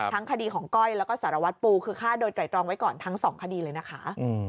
ทั้งคดีของก้อยแล้วก็สารวัตรปูคือฆ่าโดยไตรตรองไว้ก่อนทั้งสองคดีเลยนะคะ